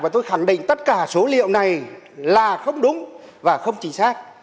và tôi khẳng định tất cả số liệu này là không đúng và không chính xác